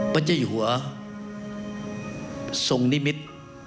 พระเจ้าอยู่หัวทรงนิมิตร